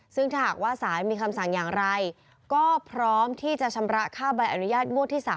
ซึ่งถ้าหากว่าสารมีคำสั่งอย่างไรก็พร้อมที่จะชำระค่าใบอนุญาตงวดที่๓